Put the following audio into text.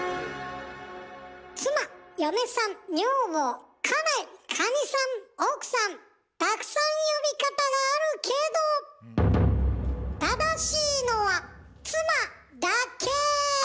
妻・嫁さん・女房・家内・カミさん・奥さんたくさん呼び方があるけど正しいのは「妻」だけ。